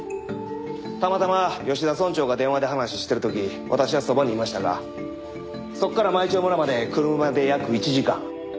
たまたま吉田村長が電話で話をしてる時私はそばにいましたがそこから舞澄村まで車で約１時間。